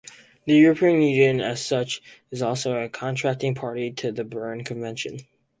The European Union, as such, is also a Contracting Party to the Bern Convention.